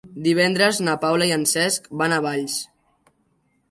Divendres na Paula i en Cesc van a Valls.